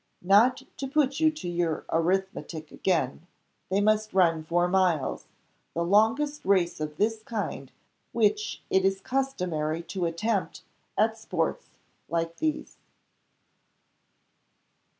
Not to put you to your arithmetic again, they must run four miles the longest race of this kind which it is customary to attempt at Sports like these."